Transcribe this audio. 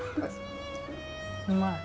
うまい。